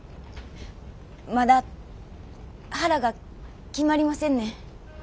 まだ腹が決まりませんねん。